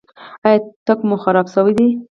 ایا تګ مو خراب شوی دی؟